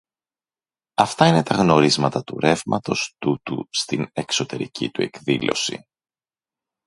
Αυτά είναι τα γνωρίσματα του ρεύματος τούτου στην εξωτερική του εκδήλωση.